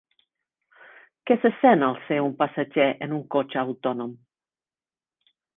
Què se sent al ser un passatger en un cotxe autònom?